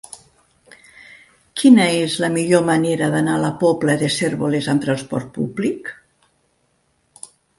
Quina és la millor manera d'anar a la Pobla de Cérvoles amb trasport públic?